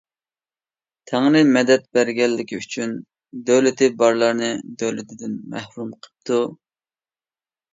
تەڭرى مەدەت بەرگەنلىكى ئۈچۈن دۆلىتى بارلارنى دۆلىتىدىن مەھرۇم قىپتۇ.